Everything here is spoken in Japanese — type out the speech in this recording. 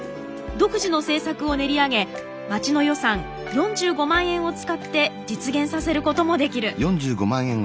独自の政策を練り上げ町の予算４５万円を使って実現させることもできる。